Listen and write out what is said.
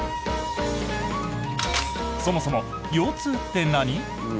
そもそも、腰痛って何？